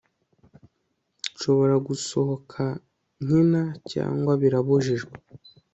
nshobora gusohoka nkina cyangwa birabujijwe